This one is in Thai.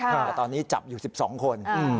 แต่ตอนนี้จับอยู่๑๒คน